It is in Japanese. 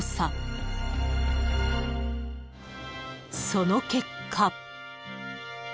［その結果］